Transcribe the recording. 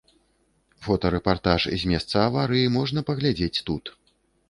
Фотарэпартаж з месца аварыі можна паглядзець тут.